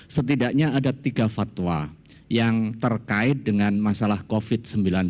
setidaknya ada tiga fatwa yang terkait dengan masalah covid sembilan belas